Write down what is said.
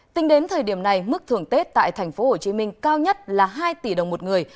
tính đến thời điểm này mức thưởng tết tại tp hcm cao nhất là hai tỷ đồng một người